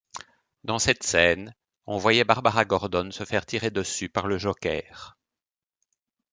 Dans cette scène, on voyait Barbara Gordon se faire tirer dessus par le Joker.